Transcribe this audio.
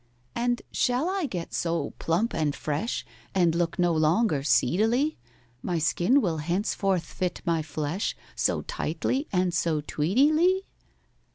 "And shall I get so plump and fresh, And look no longer seedily? My skin will henceforth fit my flesh So tightly and so TWEEDIE ly?"